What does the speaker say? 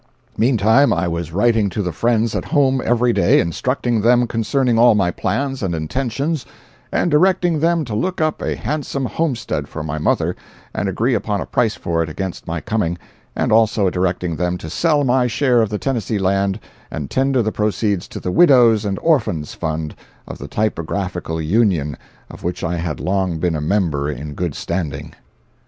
Meantime I was writing to the friends at home every day, instructing them concerning all my plans and intentions, and directing them to look up a handsome homestead for my mother and agree upon a price for it against my coming, and also directing them to sell my share of the Tennessee land and tender the proceeds to the widows' and orphans' fund of the typographical union of which I had long been a member in good standing.